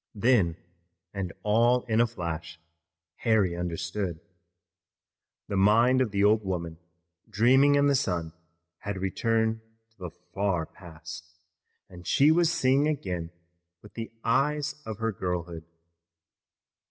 Then, and all in a flash, Harry understood. The mind of the old woman dreaming in the sun had returned to the far past, and she was seeing again with the eyes of her girlhood.